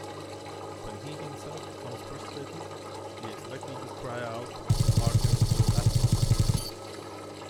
When he himself becomes frustrated, he is likely to cry out, Archons of Athens!